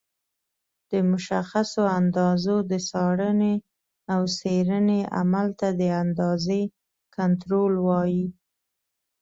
د مشخصو اندازو د څارنې او څېړنې عمل ته د اندازې کنټرول وایي.